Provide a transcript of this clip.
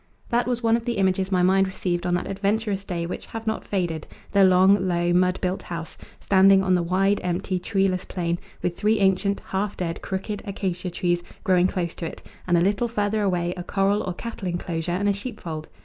That was one of the images my mind received on that adventurous day which have not faded the long, low, mud built house, standing on the wide, empty, treeless plain, with three ancient, half dead, crooked acacia trees growing close to it, and a little further away a corral or cattle enclosure and a sheep fold.